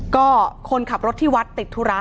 ก็คนขับรถที่วัดติดธุระ